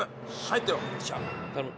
入ってろ！